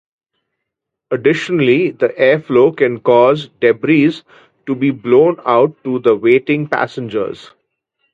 Additionally, the airflow can cause debris to be blown out to the waiting passengers.